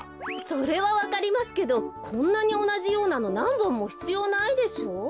それはわかりますけどこんなにおなじようなのなんぼんもひつようないでしょ？